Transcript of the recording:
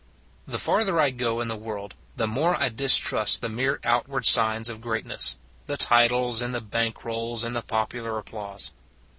The farther I go in the world the more I distrust the mere outward signs of great ness the titles and the bank rolls and the popular applause.